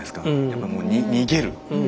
やっぱもう逃げる。